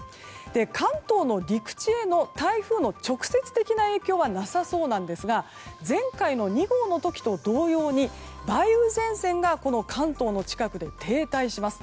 関東の陸地への台風の直接的な影響はなさそうですが前回の２号の時と同様に梅雨前線が関東の近くで停滞します。